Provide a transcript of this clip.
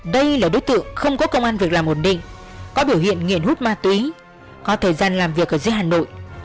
đây là đối tượng không có công an việc làm ổn định có biểu hiện nghiện hút ma túy có thời gian làm việc ở dưới hà nội